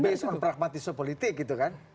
basement pragmatisme politik gitu kan